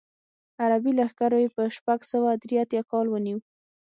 عربي لښکرو یې په شپږ سوه درې اتیا کال ونیو.